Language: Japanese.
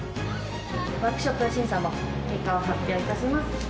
ワークショップ審査の結果を発表いたします。